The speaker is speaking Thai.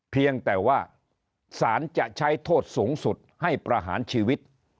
เพียงแต่ว่าสารจะใช้โทษสูงสุดให้ประหารชีวิต